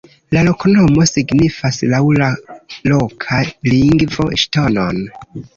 La loknomo signifas laŭ la loka lingvo ŝtonon.